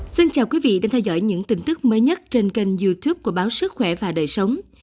xin chào quý vị đang theo dõi những tin tức mới nhất trên kênh youtube của báo sức khỏe và đời sống